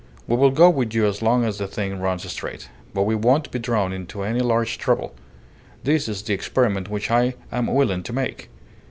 We will go with you as long as the thing runs straight. But we won't be drawn into any large trouble. This is the experiment which I am willing to make.